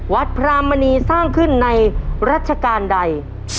พระมณีสร้างขึ้นในรัชกาลใด